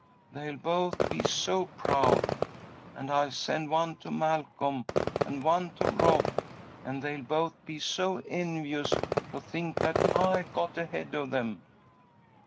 They'll both be so proud. And I'll send one to Malcolm and one to Rob, and they'll both be so envious, to think that I got ahead of them."